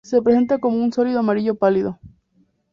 Se presenta como un sólido amarillo pálido.